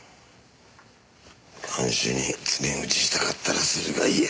看守に告げ口したかったらするがいい。